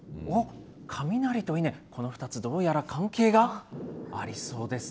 雷と稲、この２つどうやら関係がありそうです。